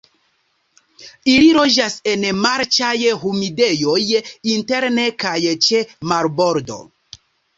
Ili loĝas en marĉaj humidejoj interne kaj ĉe marbordo.